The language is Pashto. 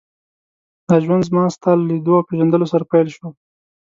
دا ژوند زما ستا له لیدو او پېژندلو سره پیل شو.